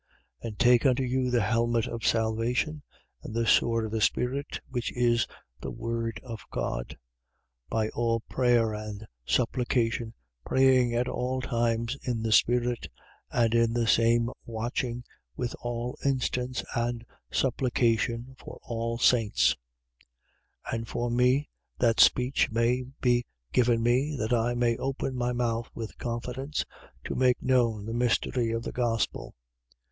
6:17. And take unto you the helmet of salvation and the sword of the Spirit (which is the word of God). 6:18. By all prayer and supplication praying at all times in the spirit: and in the same watching with all instance and supplication for all the saints: 6:19. And for me, that speech may be given me, that I may open my mouth with confidence, to make known the mystery of the gospel, 6:20.